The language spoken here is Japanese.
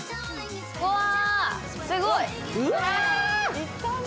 うわ、すごい！